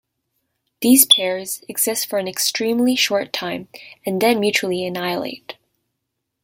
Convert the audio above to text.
These pairs exist for an extremely short time, and then mutually annihilate.